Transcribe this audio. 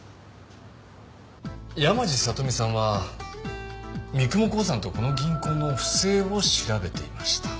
山路さとみさんは三雲興産とこの銀行の不正を調べていました。